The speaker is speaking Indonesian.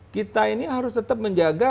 kita ini harus tetap menjaga